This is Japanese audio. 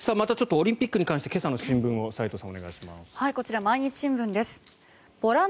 オリンピックに関して今朝の新聞を斎藤さん